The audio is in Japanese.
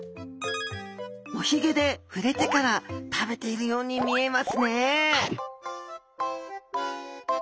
おヒゲで触れてから食べているように見えますね